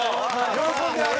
喜んではる？